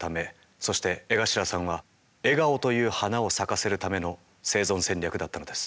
そして江頭さんは笑顔という花を咲かせるための生存戦略だったのです。